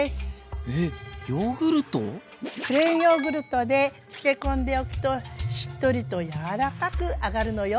プレーンヨーグルトでつけ込んでおくとしっとりと柔らかくあがるのよ。